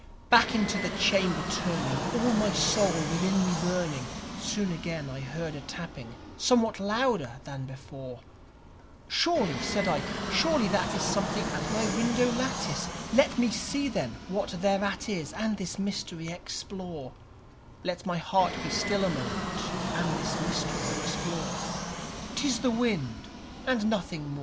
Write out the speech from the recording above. _ Back into the chamber turning, all my soul within me burning, Soon again I heard a tapping, somewhat louder than before, "Surely," said I, "surely that is something at my window lattice; Let me see, then, what thereat is, and this mystery explore Let my heart be still a moment, and this mystery explore; 'Tis the wind and nothing more."